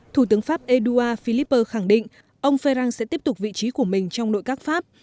thủ tướng pháp edouard philipper khẳng định ông ferang sẽ tiếp tục vị trí của mình trong nội các pháp